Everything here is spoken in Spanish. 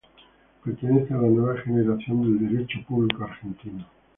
Pertenece a la nueva generación del Derecho Público argentino.